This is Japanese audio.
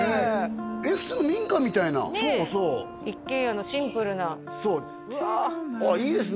えっ普通の民家みたいなそうそう一軒家のシンプルなそうあっいいですね